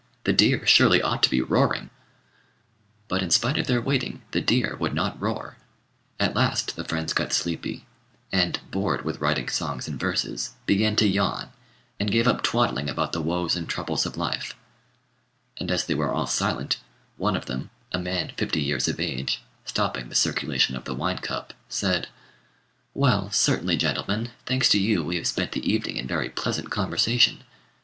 "The deer surely ought to be roaring." But, in spite of their waiting, the deer would not roar. At last the friends got sleepy, and, bored with writing songs and verses, began to yawn, and gave up twaddling about the woes and troubles of life; and as they were all silent, one of them, a man fifty years of age, stopping the circulation of the wine cup, said "Well, certainly, gentlemen, thanks to you, we have spent the evening in very pleasant conversation.